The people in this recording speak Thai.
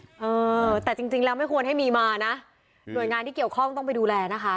เออแต่จริงจริงแล้วไม่ควรให้มีมานะหน่วยงานที่เกี่ยวข้องต้องไปดูแลนะคะ